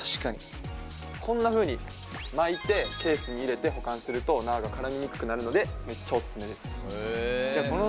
こんなふうに巻いてケースに入れて保管すると縄が絡みにくくなるのでめっちゃオススメです。